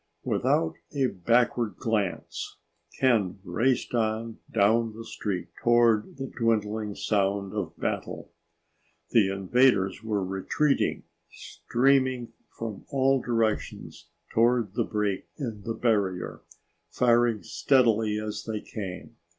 Without a backward glance Ken raced on down the street toward the dwindling sound of battle. The invaders were retreating, streaming from all directions toward the break in the barrier, firing steadily as they came.